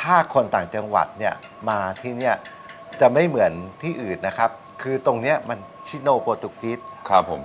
ถ้าคนต่างจังหวัดเนี่ยมาที่เนี่ยจะไม่เหมือนที่อื่นนะครับคือตรงเนี้ยมันชิโนโปรตุกฟิตครับผม